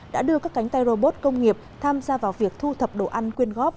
đã đưa các cánh tay robot công nghiệp tham gia vào việc thu thập đồ ăn quyên góp